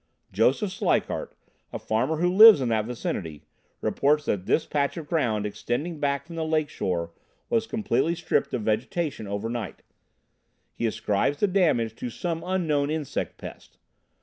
Joseph Sleichert, a farmer who lives in that vicinity, reports that this patch of ground extending back from the lakeshore was completely stripped of vegetation overnight. He ascribes the damage to some unknown insect pest.